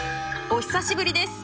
「お久しぶりです